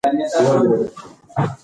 هغوی خوراک او مشروبات چمتو کړل.